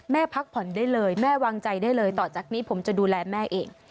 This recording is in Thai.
พักผ่อนได้เลยแม่วางใจได้เลยต่อจากนี้ผมจะดูแลแม่เอง